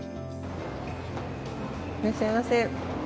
いらっしゃいませ。